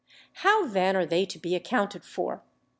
How, then, are they to be accounted for?